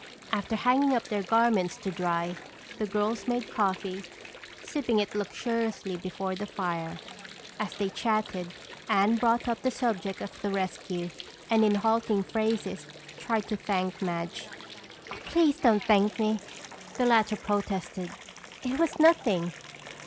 After hanging up their garments to dry, the girls made coffee, sipping it luxuriously before the fire. As they chatted, Anne brought up the subject of the rescue and in halting phrases tried to thank Madge. "Please don't thank me," the latter protested. "It was nothing.